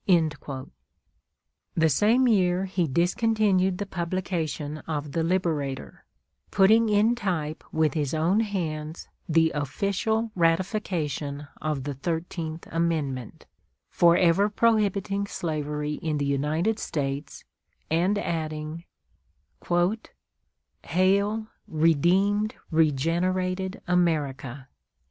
The same year he discontinued the publication of the "Liberator," putting in type with his own hands the official ratification of the Thirteenth Amendment, forever prohibiting slavery in the United States, and adding, "Hail, redeemed, regenerated America!